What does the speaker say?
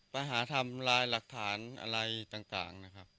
ปัญหาทำลายหลักฐานอะไรต่างนะครับ